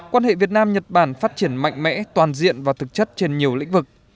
quan hệ việt nam nhật bản phát triển mạnh mẽ toàn diện và thực chất trên nhiều lĩnh vực